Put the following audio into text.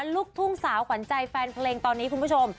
ลูกทุ่งสาวขวัญใจแฟนเพลงตอนนี้คุณผู้ชม